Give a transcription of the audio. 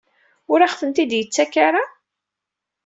Ur aɣ-ten-id-yettak ara?